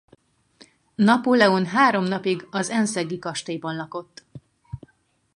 Napóleon három napig az ennseggi kastélyban lakott.